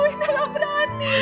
ina tidak berani